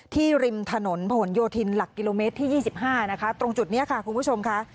ริมถนนผนโยธินหลักกิโลเมตรที่๒๕นะคะตรงจุดนี้ค่ะคุณผู้ชมค่ะ